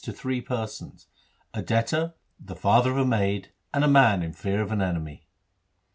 8 THE SIKH RELIGION A debtor, the father of a maid, and a man in fear of an enemy.